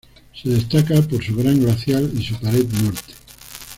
Se destaca por su gran glaciar y su pared Norte.